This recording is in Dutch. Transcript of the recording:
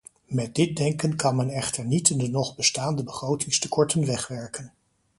Met dit denken kan men echter niet de nog bestaande begrotingstekorten wegwerken.